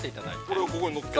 ◆これをここにのっける？